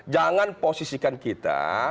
jangan posisikan kita